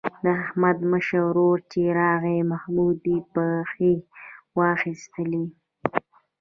د احمد مشر ورور چې راغی محمود پښې وایستلې.